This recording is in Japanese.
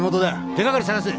手がかり捜せ！